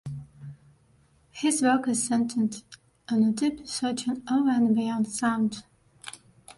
His work is centered on a deep research on, over and beyond "sound".